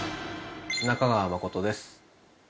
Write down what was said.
中川誠です。